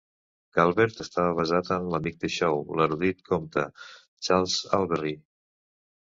Calvert estava basat en l'amic de Snow, l'erudit copte, Charles Allberry.